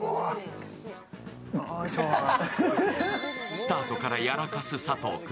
スタートからやらかす佐藤君。